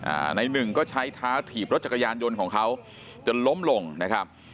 ในหนึ่งก็ใช้เท้าถีบรถจักรยานยนต์ของเขาจนล้มลงนะครับ